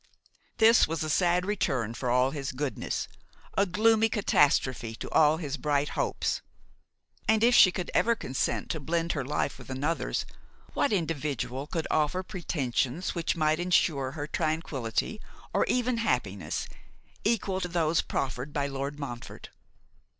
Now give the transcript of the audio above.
This was a sad return for all his goodness: a gloomy catastrophe to all his bright hopes. And if she could ever consent to blend her life with another's, what individual could offer pretensions which might ensure her tranquillity, or even happiness, equal to those proffered by Lord Montfort?